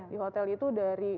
di hotel itu dari